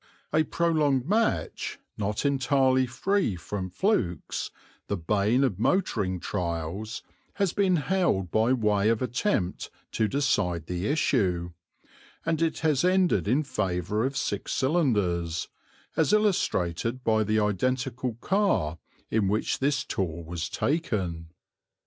A prolonged match, not entirely free from flukes, the bane of motoring trials, has been held by way of attempt to decide the issue; and it has ended in favour of six cylinders, as illustrated by the identical car in which this tour was taken.